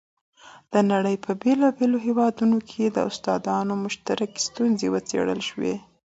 د نړۍ په بېلابېلو هېوادونو کې د استادانو مشترکې ستونزې وڅېړل شوې.